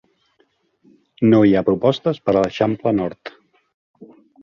No hi ha propostes per a l'Eixample Nord.